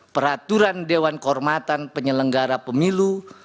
peraturan dewan kehormatan penyelenggara pemilu